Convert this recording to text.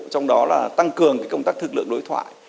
trong đó là tăng cường công tác thực lượng đối thoại